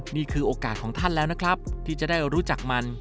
นี่คือโอกาสของท่านแล้วนะครับที่จะได้รู้จักมัน